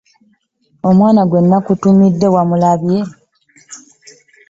omwana gwe nnakutumidde wamulabye?